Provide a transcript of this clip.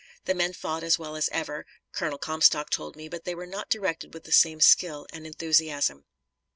The men fought as well as ever, Colonel Comstock told me, but they were not directed with the same skill and enthusiasm.